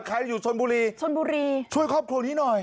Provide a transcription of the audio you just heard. ใครอยู่ชนบุรีชนบุรีช่วยครอบครัวนี้หน่อย